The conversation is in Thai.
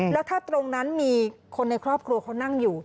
แล้วถ้าตรงนั้นมีคนในครอบครัวเขานั่งอยู่